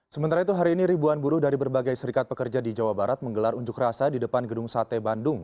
sementara itu hari ini ribuan buruh dari berbagai serikat pekerja di jawa barat menggelar unjuk rasa di depan gedung sate bandung